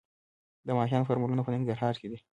د ماهیانو فارمونه په ننګرهار کې دي